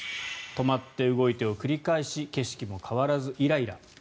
止まって動いてを繰り返し景色も変わらずイライラ。